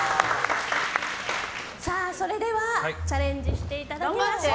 それではチャレンジしていただきましょう。